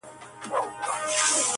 څنگه ټینگ به په خپل منځ کي عدالت کړو٫